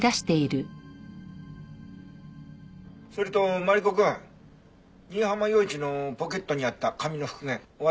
それとマリコくん新浜陽一のポケットにあった紙の復元終わったよ。